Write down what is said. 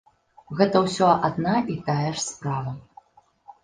Гэта ўсё адна і тая ж справа.